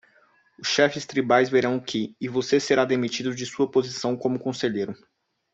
Os chefes tribais verão que? e você será demitido de sua posição como conselheiro.